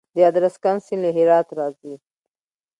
د ادرسکن سیند له هرات راځي